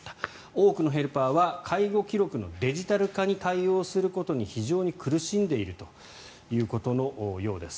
多くのヘルパーは介護記録のデジタル化に対応することに非常に苦しんでいるということのようです。